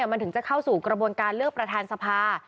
มันถึงจะเข้าสู่กระบวนการเลือกประธานสภา